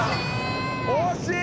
惜しい！